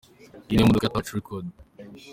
Iyi niyo modoka ya Touch record.